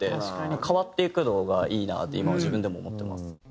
変わっていくのがいいなって今は自分でも思ってます。